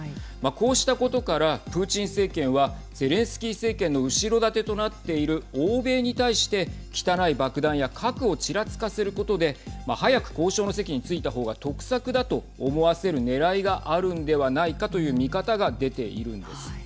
こうしたことからプーチン政権はゼレンスキー政権の後ろ盾となっている欧米に対して汚い爆弾や核をちらつかせることで早く交渉の席についた方が得策だと思わせるねらいがあるのではないかという見方が出ているんです。